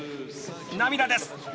涙です。